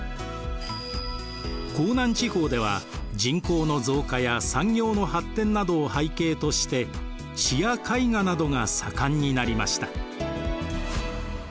江南地方では人口の増加や産業の発展などを背景として詩や絵画などが盛んになりました。